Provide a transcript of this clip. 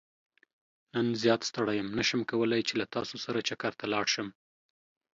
نن زيات ستړى يم نه شم کولاي چې له تاسو سره چکرته لاړ شم.